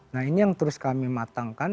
nah ini yang terus kami matangkan